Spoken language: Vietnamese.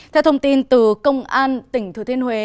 theo thông tin từ công an tỉnh thừa thiên huế